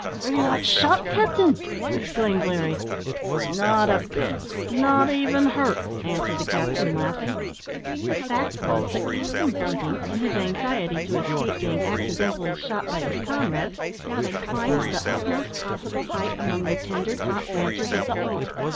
"Och! are ye not shot, capting?" exclaimed Larry. "Not a bit; not even hurt," answered the captain, laughing. The fact was, that Captain Bunting, in his anxiety to escape being accidentally shot by his comrades, had climbed to the utmost possible height among the tender top branches of the oak.